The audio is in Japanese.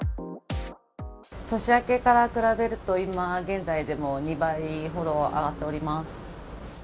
年明けから比べると、今現在でもう２倍ほど上がっております。